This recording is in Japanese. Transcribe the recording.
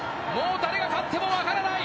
誰が勝っても分からない。